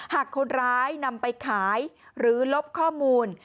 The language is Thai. หากคนร้ายนำไปขายหรือลบข้อมูล